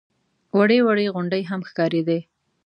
وړې وړې غونډۍ هم ښکارېدې.